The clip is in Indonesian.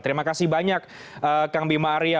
terima kasih banyak kang bima arya